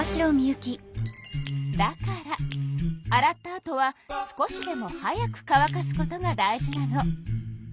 だから洗ったあとは少しでも早く乾かすことが大事なの。